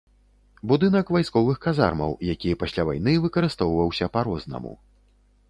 Будынак вайсковых казармаў, які пасля вайны выкарыстоўваўся па-рознаму.